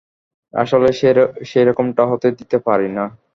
আসলেই সেরকমটা হতে দিতে পারি না!